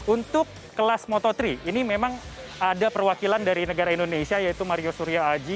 untuk kelas moto tiga ini memang ada perwakilan dari negara indonesia yaitu mario surya aji